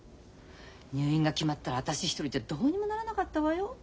入院が決まったら私一人じゃどうにもならなかったわよ。